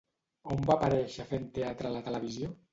On va aparèixer fent teatre a la televisió?